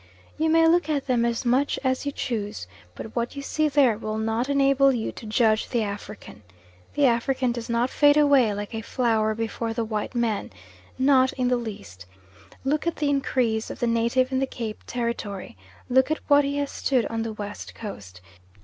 You may look at them as much as you choose, but what you see there will not enable you to judge the African. The African does not fade away like a flower before the white man not in the least. Look at the increase of the native in the Cape territory; look at what he has stood on the West Coast.